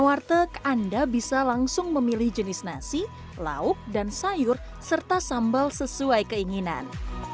warteg anda bisa langsung memilih jenis nasi lauk dan sayur serta sambal sesuai keinginan